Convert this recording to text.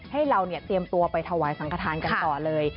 ให้เราเตรียมตัวไปถวายสังขทานกันต่อเลย